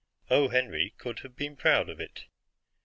O. Henry could have been proud of it.